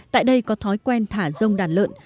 tại đây có thói quen thả rông đàn lợn